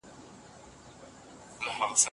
تازه مېوې باید د پوستکي سره یوځای ونه خوړل شي.